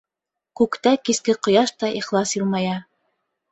Күктә киске ҡояш та ихлас йылмая...